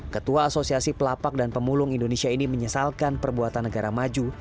ketua asosiasi pelapak dan pemulung indonesia ini menyesalkan perbuatan negara maju